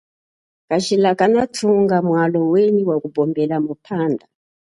Kajila kanathunga walo waku pombela muphanda.